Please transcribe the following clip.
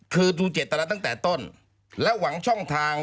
คือดูเจตนาตั้งแต่ต้น